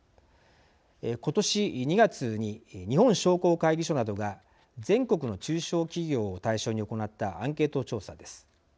今年２月に日本商工会議所などが全国の中小企業を対象に行ったアンケート調査です。